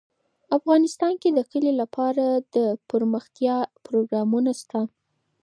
افغانستان کې د کلي لپاره دپرمختیا پروګرامونه شته.